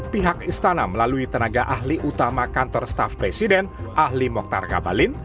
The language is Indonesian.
pihak istana melalui tenaga ahli utama kantor staf presiden ahli moktar kabalin